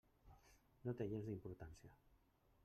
No té gens d'importància.